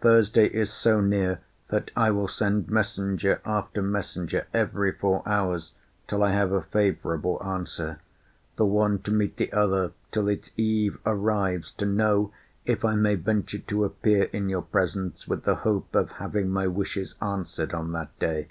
Thursday is so near, that I will send messenger after messenger every four hours, till I have a favourable answer; the one to meet the other, till its eve arrives, to know if I may venture to appear in your presence with the hope of having my wishes answered on that day.